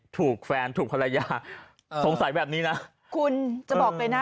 ถูกแฟนถูกภรรยาสงสัยแบบนี้นะคุณจะบอกเลยนะ